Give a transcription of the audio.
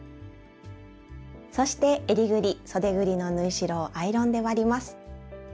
そしてえりぐりそでぐりの縫い代をアイロンで割ります。